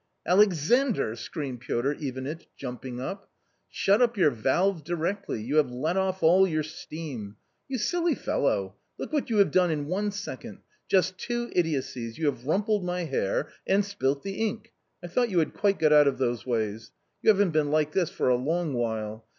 " Alexandr !" screamed Piotr Ivanitch jumping up ; "shut up your valve directly, you have let off all your steam I You silly fellow ! look what you have done in one second ; just two idiocies ; you have ru mpl ed my hair and spilt the ink. I thought you had quite got but of those ways. YotT "haven't been like this for a long while.